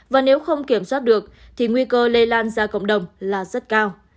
và nếu không kiểm soát được thì nguy cơ lây lan ra cộng đồng là rất cao